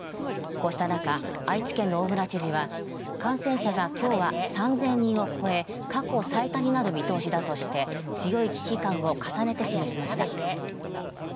こうした中、愛知県の大村知事は感染者が、きょうは３０００人を超え、過去最多になる見通しだとして強い危機感を重ねて示しました。